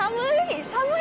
寒い！